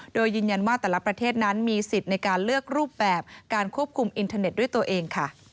โดยยืนยันว่าแต่ละประเทศนั้นมีสิทธิ์ในการเลือกรูปแบบการควบคุมอินเทอร์เน็ตด้วยตัวเองค่ะ